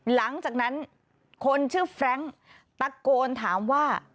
หลังจากนั้นคนชื่อแฟรงค์ตะโกนถามว่า